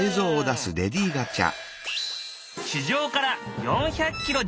地上から４００キロ